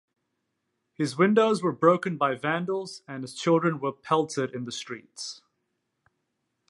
His windows were broken by vandals, and his children were pelted in the streets.